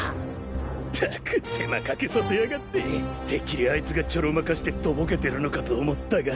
ったく手間かけさせやがっててっきりあいつがちょろまかしてとぼけてるのかと思ったが。